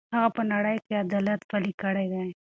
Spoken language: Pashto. هغه په نړۍ کې عدالت پلی کړی دی.